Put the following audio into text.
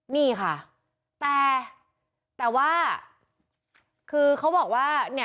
นี่ค่ะแต่แต่ว่า